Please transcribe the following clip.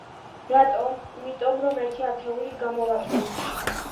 რატომ? იმიტომ რომ ერთი ათეული გამოვაკელით.